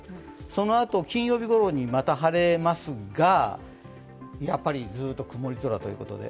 そのあと、金曜日ごろにまた晴れますが、やはりずっと曇り空ということで。